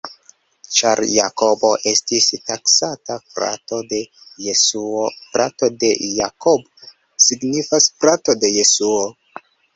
Ĉar Jakobo estis taksata frato de Jesuo, frato de Jakobo signifas frato de Jesuo.